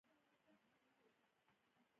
زه د ساعتونو شوق لرم.